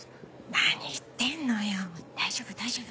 何言ってんのよ大丈夫大丈夫。